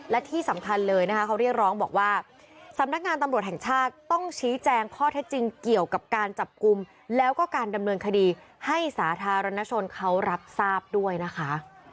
และที่สำคัญเลยนะคะเขาเรียกร้องบอกว่าสำนักงานตำรวจแห่งชาติต้องชี้แจงข้อเท็จจริงเกี่ยวกับการจับกลุ่มแล้วก็การดำเนินคดีให้สาธารณชนเขารับทราบด้วยนะคะ